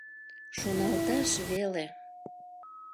Шоналташ веле!